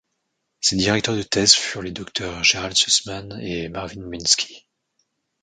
Ses directeurs de thèse furent les Drs Gerald Sussman et Marvin Minsky.